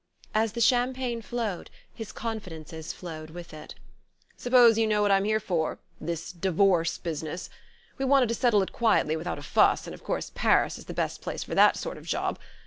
As the champagne flowed his confidences flowed with it. "Suppose you know what I'm here for this divorce business? We wanted to settle it quietly without a fuss, and of course Paris is the best place for that sort of job.